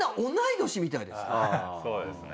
そうですね。